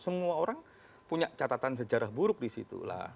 semua orang punya catatan sejarah buruk disitulah